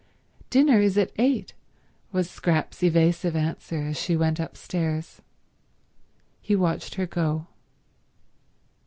"Dinner is at eight," was Scrap's evasive answer as she went upstairs. He watched her go.